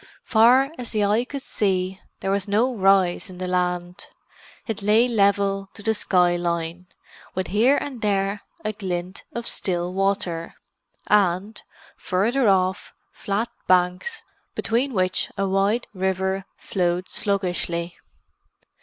Far as the eye could see there was no rise in the land; it lay level to the skyline, with here and there a glint of still water, and, further off, flat banks between which a wide river flowed sluggishly.